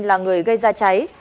là người gây ra cháy